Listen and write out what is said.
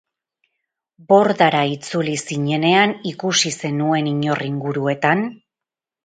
Bordara itzuli zinenean ikusi zenuen inor inguruetan?